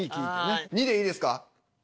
２でいいですか？